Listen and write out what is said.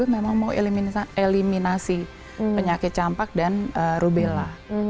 dua ribu dua puluh memang mau eliminasi penyakit campak dan rubella